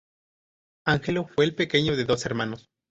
Angelo fue el pequeño de dos hermanos.